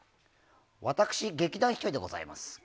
私、劇団ひとりでございます。